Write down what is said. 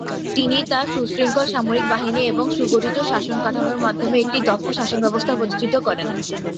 তিনি তার সুশৃঙ্খল সামরিক বাহিনী এবং সুগঠিত শাসন কাঠামোর মাধ্যমে একটি দক্ষ শাসন ব্যবস্থা প্রতিষ্ঠিত করেন।